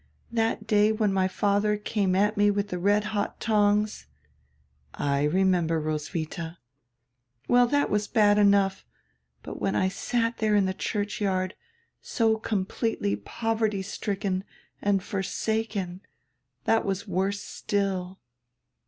That day when my father came at me widi die red hot tongs —" "I remember, Roswitha." "Well, diat was bad enough. But when I sat diere in die churchyard, so completely poverty stricken and for saken, diat was worse still.